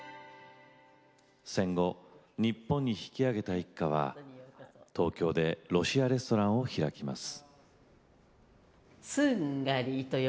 戦後、日本に引き揚げた一家は東京でロシアレストランを開きます。